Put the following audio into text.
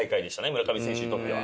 村上選手にとっては。